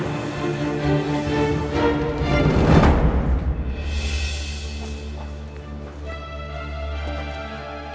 ini mau ngapain sih